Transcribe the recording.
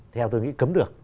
theo tôi nghĩ cấm được